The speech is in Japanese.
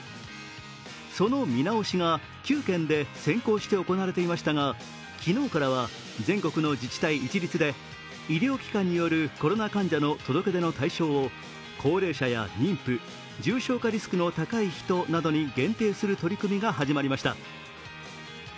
その見直しが９県で先行して行われていましたが昨日からは全国の自治体一律で医療機関によるコロナ患者の届出の対象を高齢者や妊婦、重症化リスクの高い人などに限定する取り組みが始まりました。